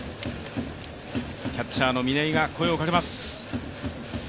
キャッチャーの嶺井が声をかけます。